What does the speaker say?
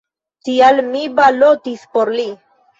Tial mi balotis por li.